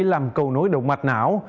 làm cầu nối động mạch não